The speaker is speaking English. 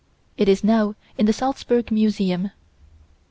It is now in the Salsburg museum.